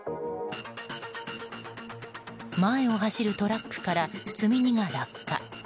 前を走るトラックから積み荷が落下。